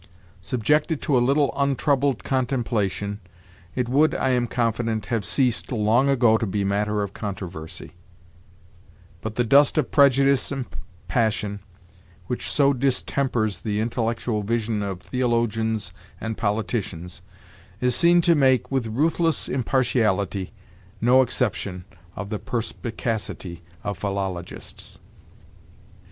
Subjected to a little untroubled contemplation, it would, I am confident, have ceased long ago to be matter of controversy; but the dust of prejudice and passion, which so distempers the intellectual vision of theologians and politicians, is seen to make, with ruthless impartiality, no exception of the perspicacity of philologists.